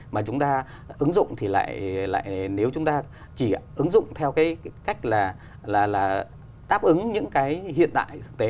mà chúng ta ứng dụng thì lại nếu chúng ta chỉ ứng dụng theo cái cách là đáp ứng những cái hiện tại thực tế